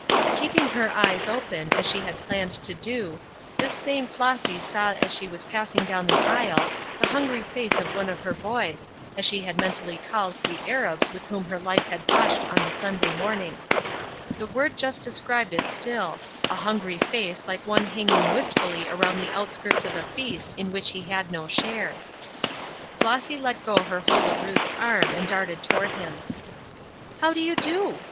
Keeping her eyes open, as she had planned to do, this same Flossy saw as she was passing down the aisle the hungry face of one of her boys, as she had mentally called the Arabs with whom her life had brushed on the Sunday morning The word just described it still, a hungry face like one hanging wistfully around the outskirts of a feast in which he had no share. Flossy let go her hold of Ruth's arm and darted toward him. "How do you do?"